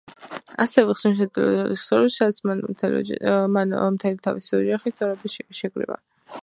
ასევე აღსანიშნავია ტილო „ოჯახის წრეში“, სადაც მან მთელი თავისი ოჯახის წევრები შეკრიბა.